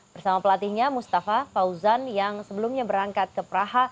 bersama pelatihnya mustafa fauzan yang sebelumnya berangkat ke praha